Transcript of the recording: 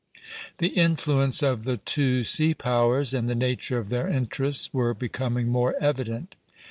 The influence of the two sea powers and the nature of their interests were becoming more evident.